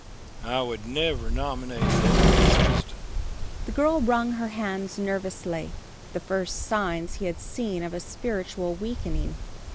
I would never nominate him for President!" The girl wrung her hands nervously the first signs he had seen of a spiritual weakening.